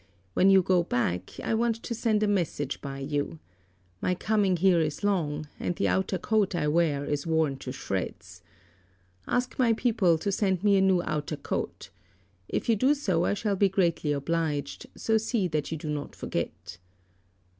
When you go back I want to send a message by you. My coming here is long, and the outer coat I wear is worn to shreds. Ask my people to send me a new outer coat. If you do so I shall be greatly obliged, so see that you do not forget."